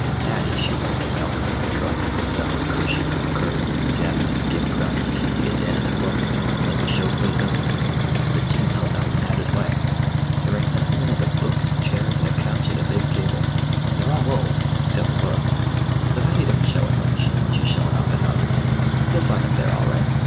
Hattie, she wanted to buy all sorts of truck and fix it up with cushions and curtains and Japanese gimcracks like she see a den in a book, and make a showplace of it. But Jim held out and had his way. There ain't nothin' in it but books and chairs and a couch and a big table; and they're all old—except the books—so Hattie don't show it much, when she's showin' off the house. You'll find him there all right.